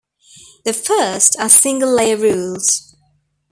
The first are single layer rules.